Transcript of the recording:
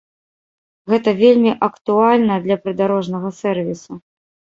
Гэта вельмі актуальна для прыдарожнага сэрвісу.